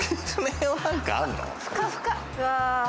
ふかふか。